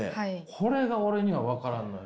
これが俺には分からんのよ。